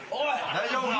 大丈夫か？